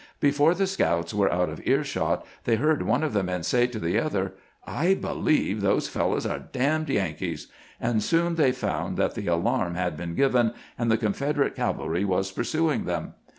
Before the scouts were out of earshot they heard one of the men say to the other, "I believe those fellows are d — d Yankees," and soon they found that the alarm had been given, and the Confederate cavalry were pursuing them.